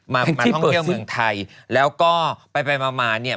มามาท่องเที่ยวเมืองไทยแล้วก็ไปไปมามาเนี่ย